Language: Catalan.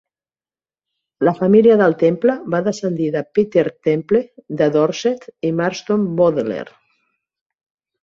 La família del temple va descendir de Peter Temple, de Dorset i Marston Boteler.